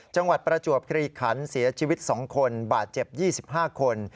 จังหวัดประจวบคลิกคันเสียชีวิต๒คนบาดเจ็บ๒๕คน